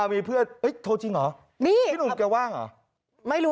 มีเพื่อนโทรจริงเหรอนี่พี่หนุ่มแกว่างเหรอไม่รู้